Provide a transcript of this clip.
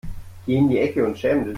Geh in die Ecke und schäme dich.